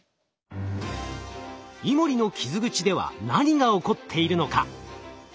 イモリの傷口では何が起こっているのか。